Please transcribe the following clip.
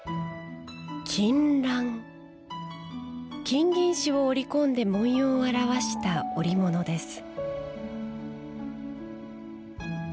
金銀糸を織り込んで文様を表した織物です。